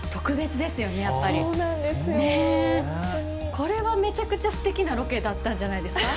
これはめちゃくちゃすてきなロケだったんじゃないですか？